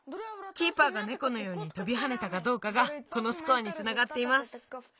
キーパーがネコのようにとびはねたかどうかがこのスコアにつながっています。